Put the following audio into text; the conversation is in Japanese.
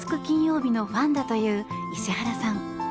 金曜日」のファンだという石原さん。